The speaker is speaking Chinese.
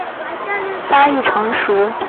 然后逐渐发育成熟。